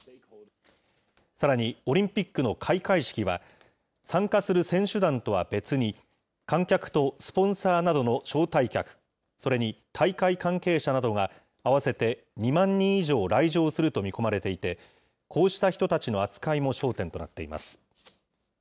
さらに、オリンピックの開会式は、参加する選手団とは別に、観客とスポンサーなどの招待客、それに大会関係者などが合わせて２万人以上来場すると見込まれていて、こうした人たちの扱いも焦点となっています。